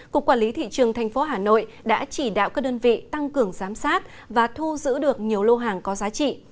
cục quản lý thị trường tp hà nội đã chỉ đạo các đơn vị tăng cường giám sát và thu giữ được nhiều lô hàng có giá trị